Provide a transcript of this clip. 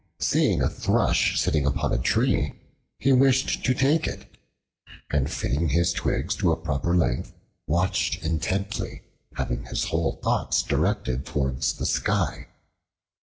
Seeing a thrush sitting upon a tree, he wished to take it, and fitting his twigs to a proper length, watched intently, having his whole thoughts directed towards the sky.